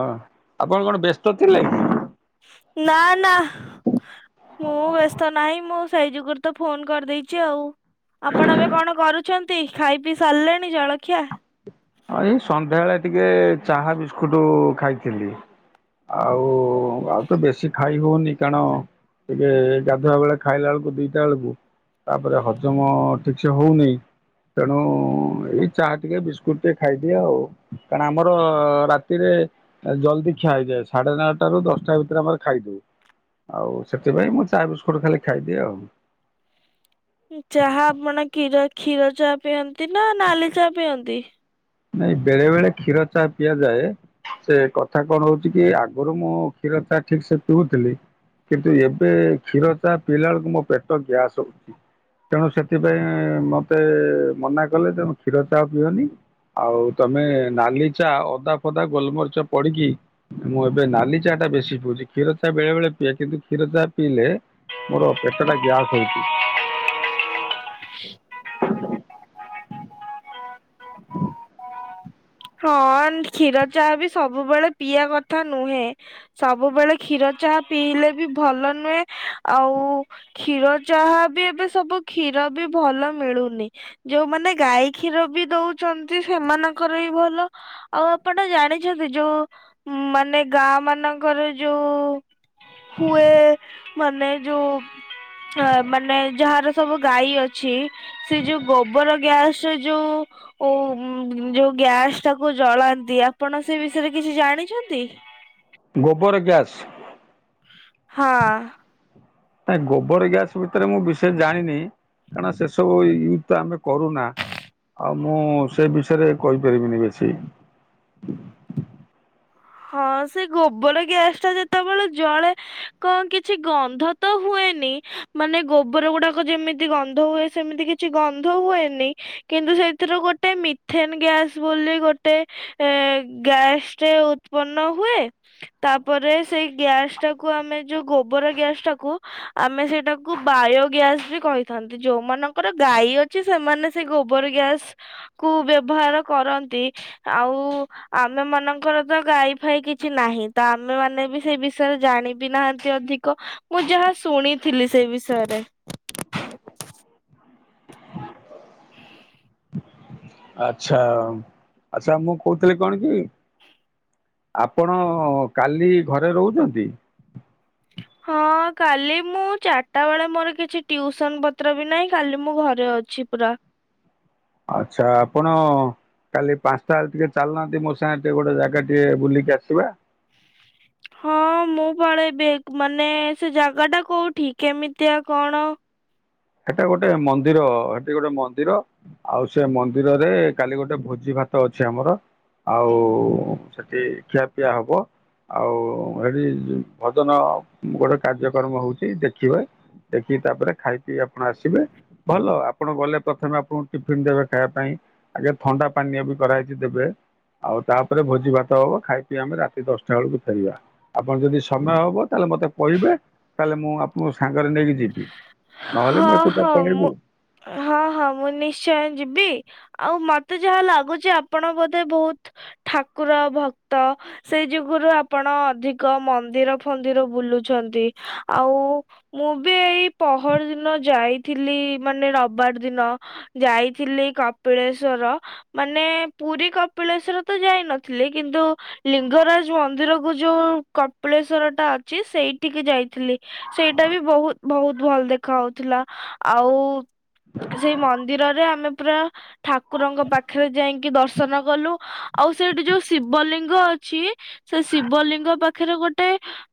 ହଁ ଆପଣ କଣ ବ୍ୟସ୍ତ ଥିଲେ? ନା ନା ମୁଁ ବ୍ୟସ୍ତ ନାହିଁ ମୁଁ ସେଇ ଯୋଗୁରୁ ତ ଫୋନ କରିଦେଇଛି ଆଉ ଆପଣ ଏବେ କଣ କରୁଛନ୍ତି ଖାଇ ପିଇ ସାରିଲେଣି ଜଳଖିଆ? ଏଇ ସନ୍ଧ୍ୟାବେଳେ ଟିକେ ଚାହା ବିସ୍କୁଟ ଖାଇଥିଲି ଆଉ ଆଉ ତ ବେଶୀ ଖାଇ ହଉନି କାରଣ ଟିକେ ଗାଧୁଆ ବେଳେ ଖାଇଲା ବେଳକୁ ଦୁଇଟା ବେଳକୁ ତାପରେ ହଜମ ଠିକସେ ହଉନି ତେଣୁ ଏଇ ଚାହା ଟିକେ ବିସ୍କୁଟ ଟେ ଖାଇଦିଏ ଆଉ କାରଣ ଆମର ରାତିରେ ଜଲଦି ଖିଆ ହେଇଯାଏ ସାଢେ ନଅଟ ରୁ ଦଶଟା ଭିତରେ ଆମର ଖାଇଦଉ ଆଉ ସେଥିପାଇଁ ମୁଁ ଚା ବିସ୍କୁଟ ଖାଲି ଖାଇଦିଏ ଆଉ। ଚାହା ଆପଣ କ୍ଷୀର କ୍ଷୀର ଚାହା ପିଅନ୍ତି ନା ନାଲି ଚାହା ପିଅନ୍ତି? ନାଇଁ ବେଳେ ବେଳେ କ୍ଷୀର ଚାହା ପିଆଯାଏ ସେ କଥା କଣ ହଉଛି କି ଆଗରୁ ମୁଁ କ୍ଷୀର ଚାହା ଠିକ ସେ ପିଉଥିଲି କିନ୍ତୁ ଏବେ କ୍ଷୀର ଚା ପିଇଲା ବେଳକୁ ମୋ ପେଟ ଗ୍ୟାସ୍ ହଉଛି ତେଣୁ ସେଥିପାଇଁ ମତେ ମନା କଲେ ତ କ୍ଷୀର ଚାହା ପିଅନି ଆଉ ତମେ ନାଲି ଚା ଅଦା ଫଦା ଗୋଲମରିଚ ପଡିକି ମୁଁ ଏବେ ନାଲି ଚା ଟା ବେଶୀ ପିଉଛି କ୍ଷୀର ଚା ବେଳେ ବଳେ ପିଏ କିନ୍ତୁ କ୍ଷୀର ଚାହା ପିଇଲେ ମୋର ପେଟ ଟା ଗ୍ୟାସ୍ ହଉଛି। ହଁ କ୍ଷୀର ଚାଆ ବି ସବୁବେଳେ ପିଇବା କଥା ନୁହେଁ। ସବୁବେଳେ କ୍ଷୀର ଚାଆ ପିଇଲେ ବି ଭଲ ନୁହେଁ। ଆଉ କ୍ଷୀର ଚାହା ବି ଏବେ ସବୁ କ୍ଷୀର ବି ଭଲ ମିଳୁନି ଯୋଉମାନେ ଗାଈ କ୍ଷୀର ବି ଦଉଛନ୍ତି ସେମାନଙ୍କର ବି ଭଲ। ଆଉ ଆପଣ ଜାଣିଛନ୍ତି ଯୋଉ ମାନେ ଗାଁ ମାନଙ୍କରେ ଯୋଉ ହୁଏ । ମାନେ ଯୋଉ ମାନେ ଯାହାର ସବୁ ଗାଈ ଅଛି ସେ ଯୋଉ ଗୋବର ଗ୍ୟାସ ଯୋଉ ଯୋଉ ଗ୍ୟାସ। ତାକୁ ଜଳାନ୍ତି ଆପଣ ସେ ବିଷୟରେ କିଛି ଜାଣିଛନ୍ତି। ଗୋବର ଗ୍ୟାସ। ହଁ। ନଇ ଗୋବର ଗ୍ୟାସ ଭିତରେ ମୁଁ ବିଶେଷ ଜାଣିନି। କାରଣ ସେ ସବୁ ଇ-ଇ-ତା ଆମେ କରୁନା ଆଉ ମୁଁ ସେ ବିଷୟରେ କହିପାରିବିନି ବେଶୀ। ହଁ ସେ ଗୋବର ଗ୍ୟାସ ଟା ଯେତେବେଳେ ଜଳେ କଣ କିଛି ଗନ୍ଧ ତ ହୁଏନି ।ମାନେ ଗୋବର ଗୁଡାକ ଯେମିତି ଗନ୍ଧ ହୁଏ। ସେମିତି କିଛି ଗନ୍ଧ ହୁଏନି । କିନ୍ତୁ ସେଥିରୁ ଗୋଟେ ମିଥେନ୍ ଗ୍ୟାସ ବୋଲି ଗୋଟେ ଏ ଗ୍ୟାସଟେ - ଉତ୍ପନ୍ନ ହୁଏ ତାପରେ ସେଇ ଗ୍ୟାସ ଟାକୁ ଆମେ ଯୋଉ ଗୋବର ଗ୍ୟାସ ଟାକୁ ଆମେ ସେଇଟାକୁ ବାୟ ଗ୍ୟାସ ବି କହିଥାନ୍ତି । ଯୋଉମାନଙ୍କ ଙ୍କର ଗାଈ ଅଛି ସେମାନେ ସେ ଗୋବର ଗ୍ୟାସ କୁ ବ୍ୟବହାର କରନ୍ତି। ଆଉ ଆମେ ମାନଙ୍କର ତ ଗାଈ ଫାଇ କିଛି ନାହିଁ ତ ଆମେ ମାନେ ବି ସେଇ ବିଷୟରେ ଜାଣ ବିି ନାହାନ୍ତି ଅଧିକ। ମୁଁ ଯାହା ଶୁଣି- ଥିଲି ସେଇ ବିଷୟରେ। ଆଚ୍ଛା ଆଚ୍ଛା ମୁଁ କହୁଥିଲି କଣ କି ଆପଣ କାଲି ଘରେ ରହୁଚନ୍ତି? ଇ ହଁ କାଲି ମୁଁ ଚାରିଟା ବେଳେ ମୋର କିଛି ଟ୍ୟୁସନ ପତ୍ର ବି ନାହିଁ କାଲି ମୁଁ ଘରେ ଅଛି ପୁରା। ଆଚ୍ଛା। ଆପଣ କାଲି ପାଞ୍ଚଟା ଟିକେ ଚାଲନାହାନ୍ତି, ମୋ ସାଙ୍ଗେ ଟିକେ ଗୋଟେ ଜାଗା ଟିକେ ବୁଲିକି ଆସିବା। ହଁ ମୁଁ ପଳେଇବି ମାନେ ସେ ଜାଗା ଟା କୋଉଠି କେମିତିଆ କଣ? ସେଟା ଗୋଟେ ମନ୍ଦିର ସେଠି ଗୋଟେ ମନ୍ଦିର ଆଉ ସେ ମନ୍ଦିରରେ କାଲି ଗୋଟେ ଭୋଜି ଭାତ ଅଛି ଆମର ଆଉ ସେଠି ଖିଆପିଆ ହବ ଆଉ ସେଠି ଭଜନ ଗୋଟେ କାର୍ଯ୍ୟକ୍ରମ ହଉଚି ଦେଖିବା, ଦେଖିକି ତାପରେ ଖାଇ ଇ ଆପଣ ଆସିବେ, ଭଲ ଆପଣ ଗଲେ ପ୍ରଥମେ ଆପଣଙ୍କୁ ଟିଫିନ୍ ଦେବେ ଖାଇବା ପାଇଁ ଆଗେ ଥଣ୍ଡା ପାନୀୟ ବି କରାହେଇି ଦେବେ ଆଉ ତାପରେ ଭୋଜି ଭାତ ହବ ଖାଇ ପିଇ ଆମେ ରାତି ଦଶଟା ବେଳକୁ ଫେରିବା। ଆପଣ ଯଦି ସମୟ ହବ ତାହେଲେ ମତେ କହିବେ, ତାହେଲେ ମୁଁ ଆପଣଙ୍କୁ ସାଙ୍ଗ ତାହେଲେ ନେଇକି ଯିବି। ନହେଲେ ହଁ ମୁଁ ଏକୁଟିଆ ହଁ, ପଳେଇବି। ମୁଁ ହଁ ହଁ ମୁଁ ନିଶ୍ଚୟ ଯିବି। ଆଉ ମତେ ଯାହା ଲାଗୁଚି ଆପଣ ବୋଧେ ବହୁତ ଠାକୁର ଭକ୍ତ । ସେଇ ଯୁଗୁ ରୁ ଆପଣ ଅଧିକ ମନ୍ଦିର ଫନ୍ଦିର ବୁଲୁଚନ୍ତି। ଆଉ ମୁଁ ବି ଏଇ ପହର ଦିନ ଯାଇଥିଲି ମାନେ ରବିବାର ଦିନ ଯାଇଥିଲି କପିଳେଶ୍ଵର। ମାନେ ପୁରୀ କପିଳେଶ୍ଵର ତ ଯାଇନଥିଲି କିନ୍ତୁ ଲିଙ୍ଗରାଜ ମନ୍ଦିରକୁ ଯୋଉ କପିଳେଶ୍ଵର ଟା ଅଛି ସେଇଠିକି ଯାଇଥିଲି । ସେଇଟା ବି ବହୁତ ବହୁତ ଭଲ ଦେଖା ଯାଉଥିଲା। ଆଉ ସେଇ ମନ୍ଦିରରେ ଆମେ ପୁରା ଠାକୁରଙ୍କ ପାଖରେ ଯାଇକି ଦର୍ଶନ କଲୁ। ଆଉ ସେଇଠି ଯୋଉ ଶିବଲିଙ୍ଗ ଅଛି, ସେ ଶିବଲିଙ୍ଗ ପାଖରେ ଗୋଟେ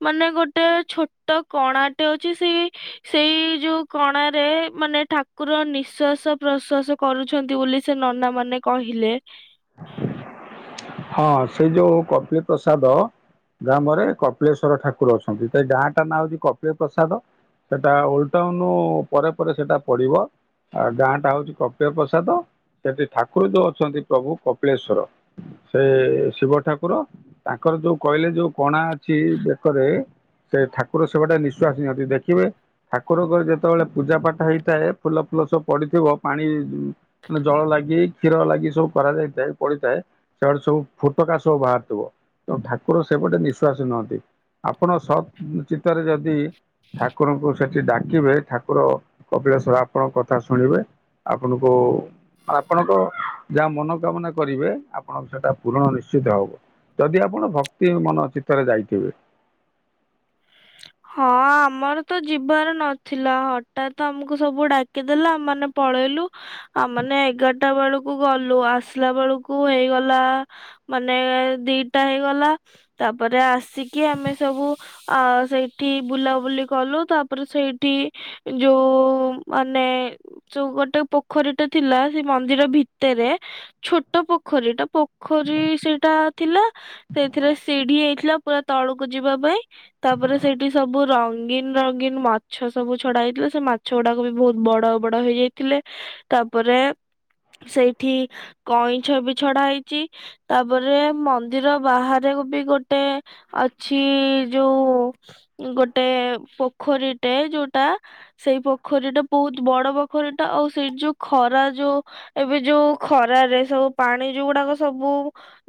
ମାନେ ଗୋଟେ ଛୋଟ କଣାଟେ ଅଛି ସେଇ ସେଇ ଯୋଉ କଣାରେ ମାନେ ଠାକୁର ନିଶ୍ଵାସ ପ୍ରଶ୍ବାସ କରୁଛନ୍ତି ବୋଲି ସେ ନନା ମାନେ କହିଲେ। ହଁ ସେଇ ଯୋଉ କପିଳ ପ୍ରସାଦ ଗ୍ରାମରେ କପିଳେଶ୍ଵର ଠାକୁର ଅଛନ୍ତି ।ସେ ଗାଁ ଟା ନାଁ ହଉଚି କପିଳ ପ୍ରସାଦ । ସେଟା ଓଲ୍ଡ ଟାଉନ ପରେ ପରେ ସେଟା ପଡିବ। ଆ ଗାଁ ଟା ହଉଛି କପିଳ ପ୍ରସାଦ। ସେଠି ଠାକୁର ଯଉ ଅଛନ୍ତି ପ୍ରଭୁ କପିଳେଶ୍ଵର ସେ ଶିବ ଠାକୁର ତାଙ୍କର ଯୋଉ କହିଲେ ଯୋଉ କଣା- ଛିଃ ବେକରେ ସେ ଠାକୁର ସେବାଟା ନିଃଶ୍ଵାସ ନିଅନ୍ତି। ଦେଖିବେ ଠାକୁରଙ୍କର ଯେତେବେଳେ ପୂଜା ପାଠ ହେଇଥାଏ ଫୁଲ ଫୁଲ ସବୁ ପଡିଥିବ ପାଣି ମାନେ ଜଳ ଲାଗି କ୍ଷୀର ଲାଗି ସବୁ କରାଯାଇଥାଏ ପଡିଥାଏ ସେଆଟେ ସବୁ ଫୋଟକା ସବୁ ବାହିଥିବ, ତ ଠାକୁର ସେପଟେ ନିଶ୍ବାସ ନିଅନ୍ତି। ଆପଣ ସତ୍ ଚିତ୍ତରେ ଯଦି ଠାକୁରଙ୍କୁ ସେଠି ଡାକିବେ ଠାକୁର କପିଳେଶ୍ବର ଆପଣଙ୍କ କଥା ଶୁଣିବେ । ଆପଣଙ୍କୁ ଆପଣଙ୍କ ଯାହା ମନକାମନା କରିବେ ଆ- ହଁ ସେଟା ପୂରଣ ନିଶ୍ଚିତ ହବ, ଯଦି ଆପଣ ଭକ୍ତି ମନ ଚିତ୍ତରେ ଯାଇଥିବେ। ହଁ ଆମର ତ ଯିବାର ନଥିଲା, ହଠାତ୍ ଆମକୁ ସବୁ ଡାକିଦେଲା ଆମ୍ ମାନେ ପଳେଇଲୁ। ଆମ୍ ମାନେ ଏଗାରଟା ବେଳକୁ ଗଲୁ, ଆସିଲା ବେଳକୁ ହେଇଗଲା ମାନେ ଦିଟା ହେଇଗଲା। ତାପରେ ଆସିକି ଆମେ ସବୁ ଆ ସେଇ ସେଠି ବୁଲାବୁଲି କଲୁ ତାପରେ ସେଇଠି ଯୋଉ ମାନେ ଯୋଉ ଗୋଟେ ପୋଖରୀଟା ଥିଲା, ସେ ମନ୍ଦିର ଭିତରେ ଛୋଟ ପୋଖରୀଟା ପୋଖରୀ ସେଇଟା ଥିଲା ସେଥିରେ ସିଢି଼ ହେଇଥିଲା ପୁରା ତଳକୁ ଯିବା ପାଇଁ ତାପରେ ସେଇଠି ସବୁ ରଙ୍ଗୀନ ରଙ୍ଗୀନ ମାଛ ସବୁ ଛଡ଼ା ହେଇଥିଲା। ସେ ମାଛ ଗୁଡାକ ବି ବହୁତ ବଡ ବଡ ହେଇ ଯାଇଥିଲେ ତାପରେ ସେଇଠି କଇଁଛ ବି ଛଡା ହେଇଚି, ତାପରେ ମନ୍ଦିର ବାହାରେ ବି ଗୋଟେ ଅଛି ଯୋଉ ଗୋଟେ ପୋଖରୀଟେ ଯୋଉଟା ସେଇ ପୋଖରୀଟା ବହୁତ ବଡ଼ ପୋଖରୀଟା ଆଉ ସେଇଠି ଯୋଉ ଖରା ଯୋଉ ଏବେ ଯୋଉ ଖରାରେ ସବୁ ପାଣି ଯୋଉ ଗୁଡାକ ସବୁ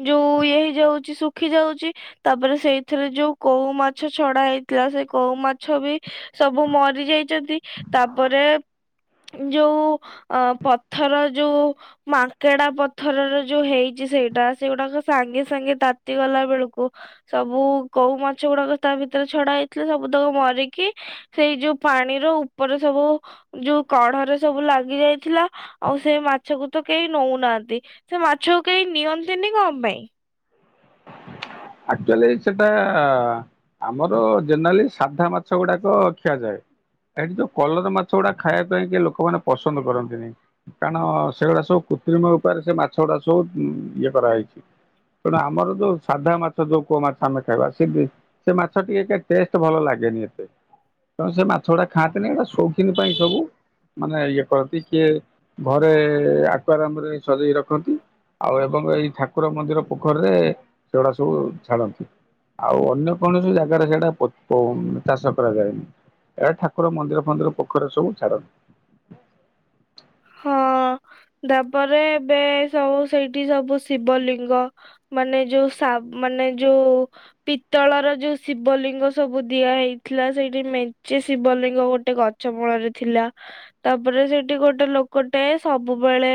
ଯୋଉ ଇଏ ହେଇଯାଉଚି ଶୁଖି ଯାଉଚି ତାପରେ ସେଇଥିରେ ଯୋଉ କଉ ମାଛ ଛଡା ହେଇଥିଲା ସେ କଉ ମାଛ ବି ସବୁ ମରି ଯାଇଚନ୍ତି। ତାପରେ ଯୋଉ ଆ ପଥର ଯୋଉ ମାଙ୍କେଡ଼ା ପଥରର ଯୋଉ ହେଇଚି ସେଇଟା ସେଗୁଡାକ ସାଙ୍ଗେ ସାଙ୍ଗେ ତାତି ଗଲା ବେଳକୁ ସବୁ କଉ ମାଛ ଗୁଡ଼ାକ ତା ଭିତରେ ଛଡା ହେଇଥିଲା ସବୁ ତକ ମରିକି ସେଇ ଯୋଉ ପାଣିରୁ ଉପରେ ସବୁ ଯୋଉ କଢ଼ରେ ସବୁ ଲାଗି ଯାଇଥିଲା, ଆଉ ସେ ମାଛକୁ ତ କେହି ନଉନାହାନ୍ତି ସେ ମାଛକୁ କେହି ନିଅନ୍ତିନି କଣ ପାଇଁ? ଆକ୍ ଚୁଆଲି ସେଟା ଆମର ଜେନେରାଲି ସାଧା ମାଛ ଗୁଡାକ ଖିଆଯାଏ। ଏଠି ଯୋଉ କଲର ମାଛ ଗୁଡ଼ା ଖାଇବା ପାଇଁ କି ଲୋକମାନେ ପସନ୍ଦ କରନ୍ତିନି। କାରଣ ସେଗୁଡ଼ା ସବୁ କୃତ୍ରିମ ଉପାୟରେ ସେ ମାଛ ଗୁଡ଼ା ସବୁ ଇଏ କରାହେଇଚି, ତେଣୁ ଆମର ତ ସାଧା ମାଛ ମା ଯୋଉ କୂଅ ମାଛ ଆମେ ଖାଇବା ସେ ମାଛ ଟିକେ ଟେଷ୍ଟ ଭଲ ଲାଗେନି ଏତେ, ତେଣୁ ସେ ମାଛ ଗୁଡା ଖାଆନ୍ତିନି । ସୋଖିନ ପାଇଁ ସବୁ ମାନେ ଇଏ କରନ୍ତି କିଏ ଘରେ ଆକୁଆରାମରେ ସଜେଇ ରଖନ୍ତି ଆଉ ଏବଂ ଏଇ ଠାକୁର ମନ୍ଦିର ପୋଖରୀରେ ସେଗୁଡା ସବୁ ଛାଡନ୍ତି ଆଉ ଅନ୍ୟ କୌଣସି ଜାଗାରେ ସେଟା କଉ ଚାଷ କରାଯାଏନି, ଏଇଟା ଠାକୁର ମନ୍ଦିର ଫନ୍ଦିର ପୋଖରୀ ସବୁ ଛାଡନ୍ତି। ହଁ ତାପରେ ଏବେ ସବୁ ସେଇଠି ସବୁ ଶିବଲିଙ୍ଗ ମାନେ ଯୋଉ ମାନେ ସ ଯୋଉ ପିତଳର ଯୋଉ ଶିବଲିଙ୍ଗ ସବୁ ଦିଆ ହେଇଥିଲା ସେଇଠି ମେଞ୍ଚେ ଶିବଲିଙ୍ଗ ଗୋଟେ ଗଛ ମୂଳରେ ଥିଲା ତାପରେ ସେଇଠି ଗୋଟ ଗୋଟେ ଲୋକଟେ ସବୁବେଳେ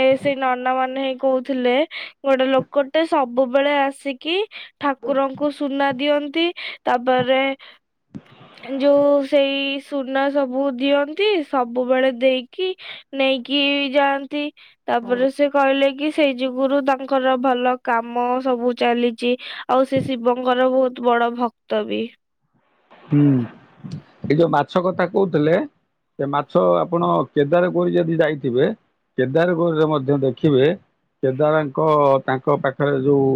ଏ ସେଇ ନନା ମାନେ ହଇ କହୁଥିଲେ, ଗୋଟେ ଲୋକଟେ ସବୁବେଳେ ଆସିକି ଠାକୁରଙ୍କୁ ସୁନା ଦିଅନ୍ତି। ତାପରେ ଯୋଉ ସେଇ ସୁନା ସବୁ ଦିଅନ୍ତି ସବୁବେଳେ ଦେଇକି କି ନେଇକି ଯାଆନ୍ତି, ତାପରେ ସେ କହିଲେ କି ସେଇ ଯୁଗୁରୁ ତାଙ୍କର ଭଲ କାମ ସବୁ ଚାଲିଚି ଆଉ ସେ ଶିବଙ୍କର ବହୁତ ବଡ ଭକ୍ତ ବି। ହୁଁ। ଏ ଯଉ ମାଛ କଥା କହୁଥିଲେ ଏ ମାଛ ଆପଣ କେଦାର ଗୋରି ଯଦି ଯାଇଥିବେ କେଦାର ଗୌରରେ ମଧ୍ୟ ଦେଖିବେ କେଦାରଙ୍କ ତାଙ୍କ ପାଖରେ ଯୋଉଁ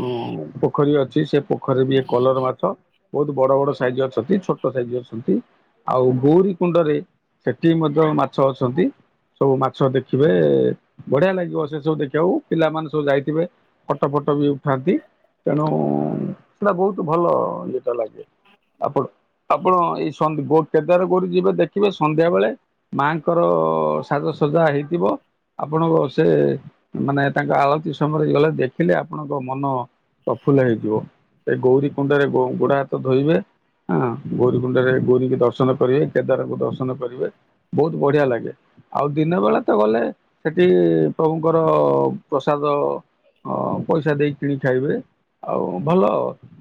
ହ ପୋଖରୀ ଅଛି। ସେ ପୋଖରିରେ ବି କଲର ମାଛ ବହୁତ ବଡ ବଡ ସାଇଜ ଅଛନ୍ତି, ଛୋଟ ସାଇଜ ଅଛନ୍ତି ଆଉ ଗୌରୀ କୁଣ୍ଡରେ ସେଠି ମଧ୍ୟ ମାଛ ଅଛନ୍ତି। ସବୁ ମାଛ ଦେଖିବେ। ବଢିଆ ଲାଗିବ ସେବ ଦେଖି ଯଉ ପିଲାମାନେ ସବୁ ଯାଇଥିବେ ଫଟୋ ଫଟ ବି ଉଠାନ୍ତି ତେଣୁ ସେଟା ବହୁତ ଭଲ ଲାଗେ ଆପଣ ଆପଣ ଏଇ ସୋ କେଦାର ଗୋରୁ ଯିବେ ଦେଖିବେ ସନ୍ଧ୍ୟାବେଳେ ମାଙ୍କର ସାଜସଜା ହେଇଥିବ ଆପଣଙ୍କ ସେ ମାନେ ତାଙ୍କ ଆଳତି ସମୟରେ ଗଲେ ଦେଖିଲେ ଆପଣଙ୍କ ମନ ପ୍ରଫୁଲ୍ଲ ହେଇଥିବ ସେ ଗୌରୀ କୁଣ୍ଡରେ ଗୋଡା ହାତ ଧୋଇବେ ହଁ ଗୌରୀକୁୁଣ୍ଡରେ ଗୌରୀ ଦର୍ଶନ କରିବେ କେଦାରଙ୍କୁ ଦର୍ଶନ କରିବେ ବହୁତ ବଢିଆ ଲାଗେ ଆଉ ଦିନ ବେଳେ ତ ଗଲେ ସେଠି ପ୍ରଭୁଙ୍କରଅ ପ୍ରସାଦ ପଇସା ଦେଇ କିଣି ଖାଇବେ ଆଉ ଭଲ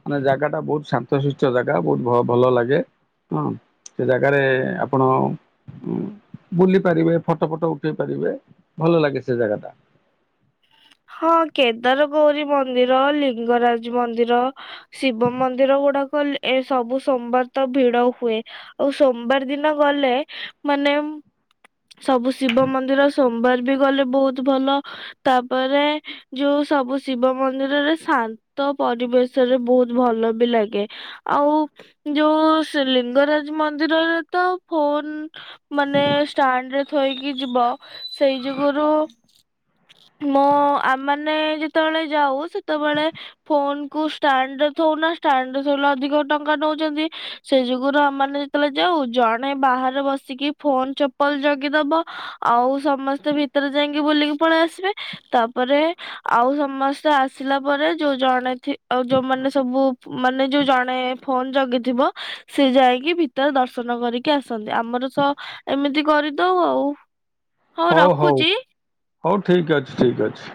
ମାନେ ଜାଗା ଟା ବହୁତ ଶାନ୍ତ ସୁଥ ଚଦ ଟା ବହୁତ ଭ ଭଲ ଲାଗେ ହଁ ସେ ଜାଗାରେ ଆପଣ ଉ ବୁଲି ପାରିବେ ଫଟୋ ଫଟ ଉଠ ପାରିବେ ଭଲ ଲାଗେ ସେ ଜାଗା ଟା ହଁ କେଦାର ଗୌରୀ ମନ୍ଦିର ଲିଙ୍ଗରାଜ ମନ୍ଦିର ଶିବ ମନ୍ଦିର ଗୁଡାକ ଏ ସବୁ ସୋମବାର ତ ଭିଡ ହୁଏ ଆଉ ସୋମବାର ଦିନ ଗଲେ ମାନେମ ସବୁ ଶିବ ମନ୍ଦିର ସ ମ୍ବର ବି ଗଲେ ବହୁତ ଭଲ ତା ପରେ ଯୋଉ ସବୁ ଶିବ ମନ୍ଦିରରେ ଶାନ୍ତ ପରିବେଶରେ ବହୁତ ଭଲ ବି ଲାଗେ ଆଉ ଯୋଉ ଲିଙ୍ଗରାଜ ମନ୍ଦିରରେ ତ ଫୋନ ମାନେ ଷ୍ଟାଣ୍ଡ ରେ ଥୋଇକି ଯିବ ସେଇ ଯୁଗରୁ ମୋ ଆମମାନେ ଯେତେବେଳେ ଯାଉ ସେତେବେଳେ ଫୋନ କୁ ଷ୍ଟାଣ୍ଡରେ ଥଉନା ଷ୍ଟାଣ୍ଡରେ ଥ ଅଧିକ ଟଙ୍କା ନଉଛନ୍ତି ସେ ଯୁଗରୁ ଆମ ଯେତେବେଳେ ଯାଉ ଜଣେ ବାହାରେ ବସିକି ଫୋନ ଚପଲ ଜଗିଦବ ଆଉ ସମସ୍ତେ ଭିତରେ ଯାଇକି ବୁଲିକି ପଳେଇ ଆସିବେ ତାପରେ ଆଉ ସମସ୍ତେ ଆସିଲା ପରେ ଯୋଉ ଜଣେ ଆଉ ଯୋଉମାନୋନ ସବୁ ମାନେ ଯୋଉ ଜଣେ ଫୋନ ଜଗିଥିବ ସେ ଯାଇକି ଭିତରେ ଦର୍ଶନ କରିକି ଆସନ୍ତି ଆମର ତ ଏମିତି କରିଦଉ ଆଉ ହଉ ହଉ ହଉ ଠିକ ଅଛି ଠିକ ଅଛି